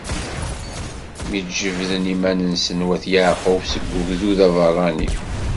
Mi d-jebden iman-nsen wat Yeɛqub seg ugdud aberrani.